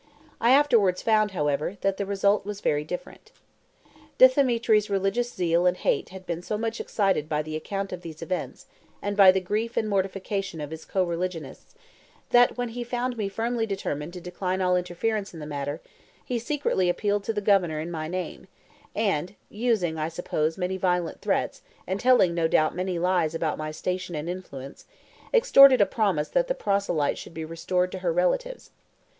I afterwards found, however, that the result was very different. Dthemetri's religious zeal and hate had been so much excited by the account of these events, and by the grief and mortification of his co religionists, that when he found me firmly determined to decline all interference in the matter, he secretly appealed to the Governor in my name, and (using, I suppose, many violent threats, and telling no doubt many lies about my station and influence) extorted a promise that the proselyte should be restored to her relatives.